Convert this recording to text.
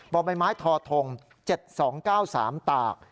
บ่อใบไม้ทอทง๗๒๙๓ตาก